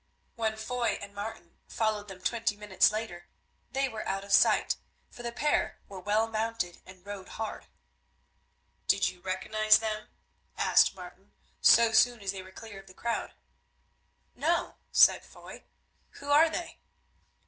When Foy and Martin followed them twenty minutes later, they were out of sight, for the pair were well mounted and rode hard. "Did you recognise them?" asked Martin so soon as they were clear of the crowd. "No," said Foy; "who are they?"